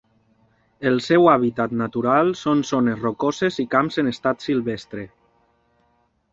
El seu hàbitat natural són zones rocoses i camps en estat silvestre.